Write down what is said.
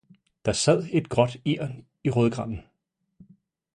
Der sad et gråt egern i rødgranen